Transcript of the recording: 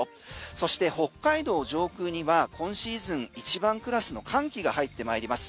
そして、北海道上空には今シーズン一番クラスの寒気が入ってまいります。